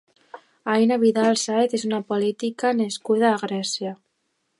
Aina Vidal Sáez és una política nascuda a Gràcia.